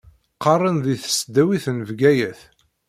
Qqaṛen di tesdawit n Bgayet.